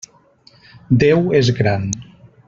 Déu és Gran!